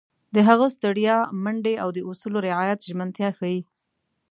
د هغه ستړیا، منډې او د اصولو رعایت ژمنتیا ښيي.